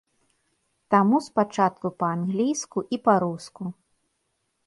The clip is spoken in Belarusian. Таму спачатку па-англійску і па-руску.